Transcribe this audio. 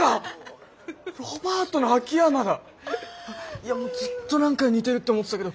いやもうずっと何かに似てるって思ってたけど。